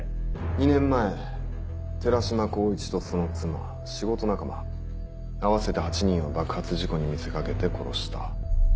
２年前寺島光一とその妻仕事仲間合わせて８人を爆発事故に見せかけて殺した。